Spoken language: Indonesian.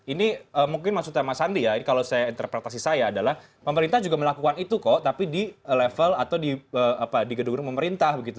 ini mungkin maksudnya mas andi ya ini kalau saya interpretasi saya adalah pemerintah juga melakukan itu kok tapi di level atau di gedung gedung pemerintah begitu